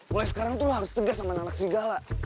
mulai sekarang tuh lo harus tegas sama anak segala